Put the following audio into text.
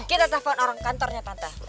kita telpon orang kantornya tante